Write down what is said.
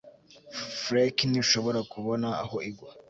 Flake ntishobora kubona aho igwa